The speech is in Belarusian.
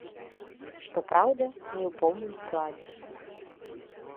Што праўда, не ў поўным складзе.